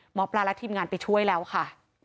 หมอปลาและทีมงานไปช่วยแล้วค่ะ